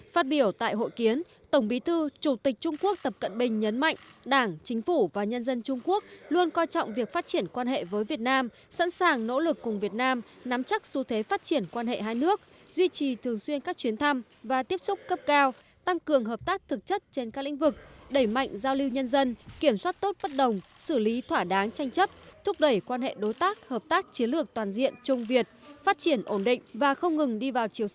phát biểu tại hội kiến tổng bí thư chủ tịch trung quốc tập cận bình nhấn mạnh đảng chính phủ và nhân dân trung quốc luôn coi trọng việc phát triển quan hệ với việt nam sẵn sàng nỗ lực cùng việt nam nắm chắc xu thế phát triển quan hệ hai nước duy trì thường xuyên các chuyến thăm và tiếp xúc cấp cao tăng cường hợp tác thực chất trên các lĩnh vực đẩy mạnh giao lưu nhân dân kiểm soát tốt bất đồng xử lý thỏa đáng tranh chấp thúc đẩy quan hệ đối tác hợp tác chiến lược toàn diện chung việt phát triển ổn định và không ngừng đi